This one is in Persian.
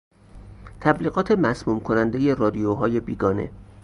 تبلیغات مسموم کنندهی رادیوهای بیگانه